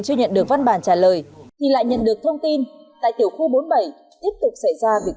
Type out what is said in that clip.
chưa nhận được văn bản trả lời thì lại nhận được thông tin tại tiểu khu bốn mươi bảy tiếp tục xảy ra việc